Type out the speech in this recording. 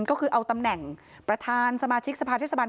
ก็คือเอาตำแหน่งประธานสมาชิกสภาเทศบาล